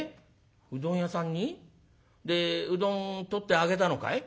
うどん屋さんに？でうどん取ってあげたのかい？」。